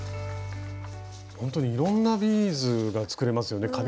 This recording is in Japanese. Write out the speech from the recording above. ほんとにいろんなビーズが作れますよね